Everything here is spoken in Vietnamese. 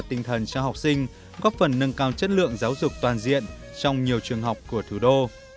tinh thần cho học sinh góp phần nâng cao chất lượng giáo dục toàn diện trong nhiều trường học của thủ đô